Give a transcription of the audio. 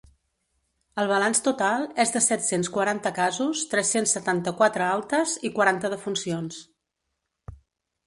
El balanç total és de set-cents quaranta casos, tres-cents setanta-quatre altes i quaranta defuncions.